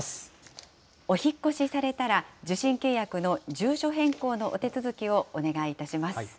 お引っ越しされたら、受信契約の住所変更のお手続きをお願いいたします。